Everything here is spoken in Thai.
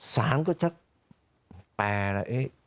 สารก็ชัดแปลละ